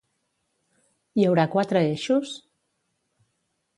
Hi haurà quatre eixos?